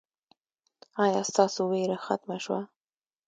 ایا ستاسو ویره ختمه شوه؟